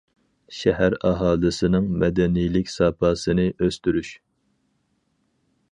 شەھەر ئاھالىسىنىڭ مەدەنىيلىك ساپاسىنى ئۆستۈرۈش.